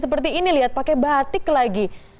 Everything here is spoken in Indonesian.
seperti ini lihat pakai batik lagi